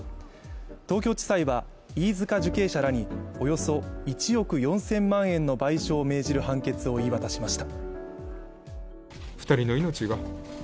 東京地裁は飯塚受刑者らにおよそ１億４０００万円の賠償を命じる判決を言い渡しました。